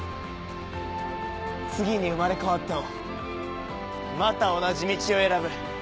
次に生まれ変わってもまた同じ道を選ぶ。